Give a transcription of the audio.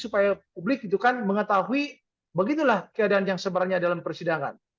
supaya publik itu kan mengetahui begitulah keadaan yang sebenarnya dalam persidangan